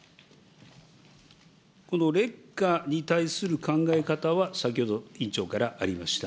この劣化に対する考え方は先ほど委員長からありました。